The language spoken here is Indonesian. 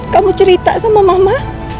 kamu cerita sama mama